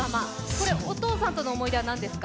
これお父さんとの思い出は何ですか？